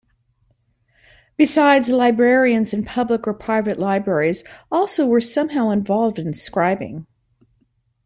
Besides, the librarians in public or private libraries also were somehow involved in scribing.